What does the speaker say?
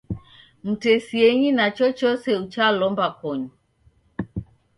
Mtesienyi na chochose uchalomba konyu